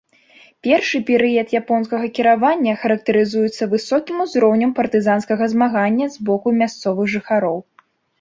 Першы перыяд японскага кіравання характарызуецца высокім узроўнем партызанскага змагання з боку мясцовых жыхароў.